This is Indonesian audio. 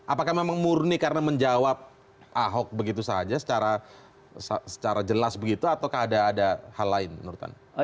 apakah memang murni karena menjawab ahok begitu saja secara jelas begitu ataukah ada hal lain menurut anda